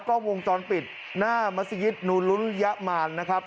กล้องวงจรปิดหน้ามัศยิตนูลุนยะมารนะครับ